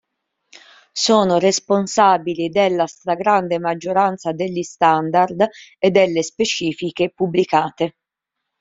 Sono responsabili della stragrande maggioranza degli standard e delle specifiche pubblicate.